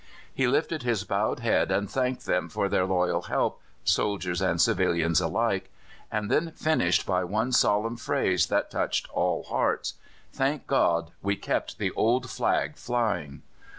He lifted his bowed head and thanked them for all their loyal help, soldiers and civilians alike, and then finished by one solemn phrase that touched all hearts: "Thank God, we kept the old flag flying!"